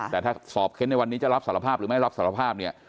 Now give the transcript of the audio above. แต่ถ้าสอบเค้นในวันนี้จะรับสารภาพหรือไม่รับสารภาพเนี่ย